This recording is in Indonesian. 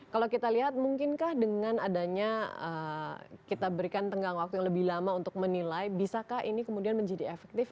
kalau kita lihat mungkinkah dengan adanya kita berikan tenggang waktu yang lebih lama untuk menilai bisakah ini kemudian menjadi efektif